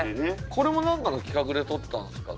これもなんかの企画で撮ったんですか？